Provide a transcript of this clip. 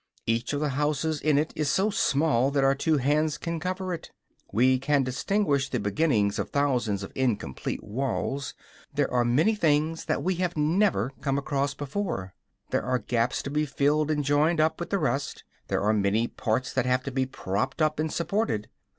Each of the houses in it is so small that our two hands can cover it. We can distinguish the beginnings of thousands of incomplete walls. There are many things that we have never come across before; there are gaps to be filled and joined up with the rest, there are many parts that have to be propped up and supported.